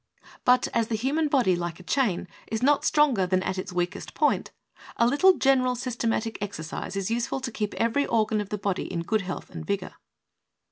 But as the human body, like a chain, is not stronger than at its weakest point, a little general systematic exercise is useful to keep every organ of the body in good health and vigor.